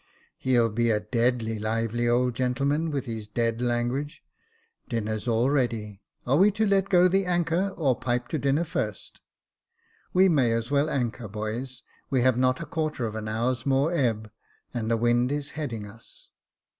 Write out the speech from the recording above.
" He be a deadly lively old gentleman, with his dead language. Dinner's all ready. Are we to let go the anchor, or pipe to dinner first ?"" We may as well anchor, boys. We have not a quarter of an hour's more ebb, and the wind is heading us."